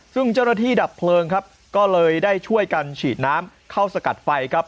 ซึ่งเจ้าหน้าที่ดับเพลิงครับก็เลยได้ช่วยกันฉีดน้ำเข้าสกัดไฟครับ